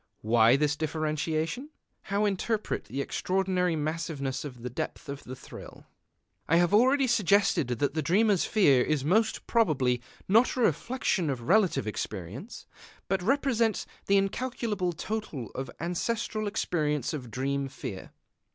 Why this differentiation? How interpret the extraordinary massiveness and depth of the thrill? I have already suggested that the dreamer's fear is most probably not a reflection of relative experience, but represents the incalculable total of ancestral experience of dream fear.